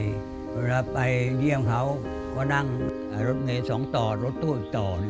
เวลาไปเยี่ยมเขาก็นั่งรถเมย์สองต่อรถตู้อีกต่อ